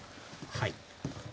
はい。